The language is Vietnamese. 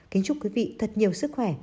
kính chúc quý vị thật nhiều sức khỏe